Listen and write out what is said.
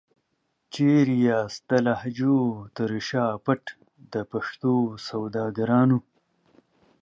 چيري یاست د لهجو تر شا پټ د پښتو سوداګرانو؟